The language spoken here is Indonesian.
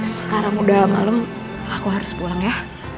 sekarang udah malam aku harus pulang ya